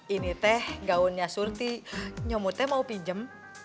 ini teh gaunnya surti nyamud teh mau pinjem